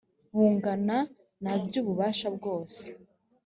bungana na by ububasha bwose